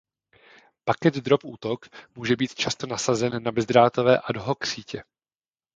Packet drop útok může být často nasazen na bezdrátové ad hoc sítě.